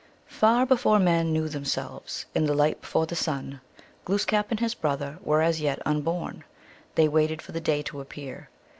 Far before men knew themselves, in the light before the sun, Glooskap and his brother were as yet unborn ; they waited for the day to ap pear.